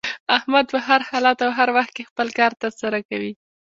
احمد په هر حالت او هر وخت کې خپل کار تر سره کوي.